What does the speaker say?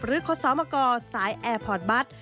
หรือคมกสายแอร์พอร์ตบัส